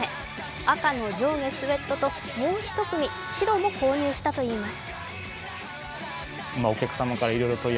赤の上下スエットともう一組、白も購入したといいます。